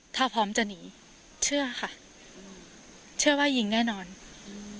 ถ้าพร้อมจะหนีเชื่อค่ะอืมเชื่อว่ายิงแน่นอนอืม